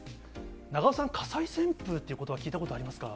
長尾さん、火災旋風っていうことば、聞いたことはありますか？